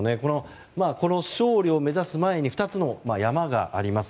勝利を目指す前に２つの山があります。